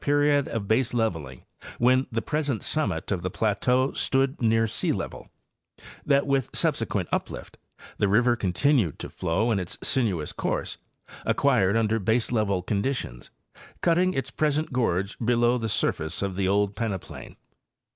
period of baseleveling when the present summit of the plateau stood near sealevel; that with subsequent uplift the river continued to flow in its sinuous course, acquired under baselevel conditions, cutting its present gorge below the surface of the old peneplain.